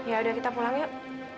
ya udah kita pulang yuk